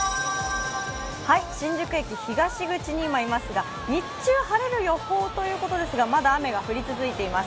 新宿駅東口に今いますが、日中晴れる予報ということですが、まだ雨が降り続いています。